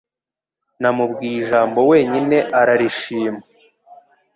Namubwiye ijambo wenyine ararishima.